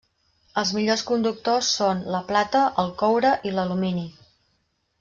Els millors conductors són: la plata, el coure i l'alumini.